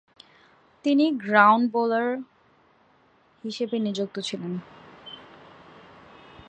তিনি ground bowler হিসেবে নিযুক্ত হন।